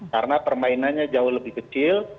karena permainannya jauh lebih kecil